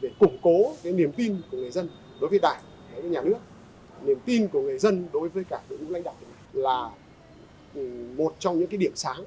để củng cố cái niềm tin của người dân đối với đảng đối với nhà nước niềm tin của người dân đối với cả đội ngũ lãnh đạo là một trong những cái điểm sáng